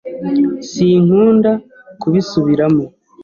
Sinkunda kubisubiramo.